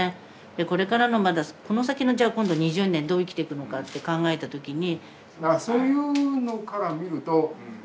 これからのまだこの先のじゃあ今度２０年どう生きていくのかって考えた時に。